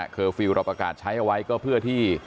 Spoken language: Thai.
เคอร์ฟิลล์รับประกาศใช้เอาไว้ก็เพื่อที่